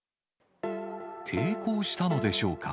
抵抗したのでしょうか。